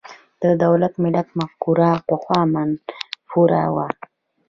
د دولت–ملت مفکوره پخوا منفوره وه.